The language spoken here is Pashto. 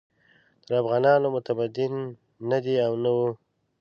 تر افغانانو متمدن نه دي او نه وو.